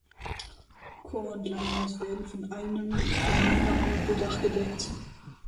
Chor und Langhaus werden von einem gemeinsamen Satteldach gedeckt.